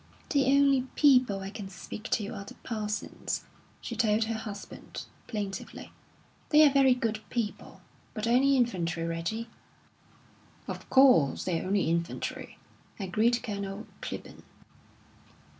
"The only people I can speak to are the Parsons," she told her husband, plaintively. "They're very good people but only infantry, Reggie." "Of course, they're only infantry," agreed Colonel Clibborn.